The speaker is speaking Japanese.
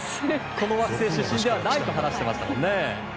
この惑星出身ではないと話していましたもんね。